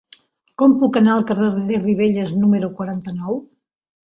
Com puc anar al carrer de Ribelles número quaranta-nou?